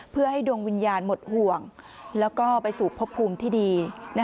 เพื่อให้ดวงวิญญาณหมดห่วงแล้วก็ไปสู่พบภูมิที่ดี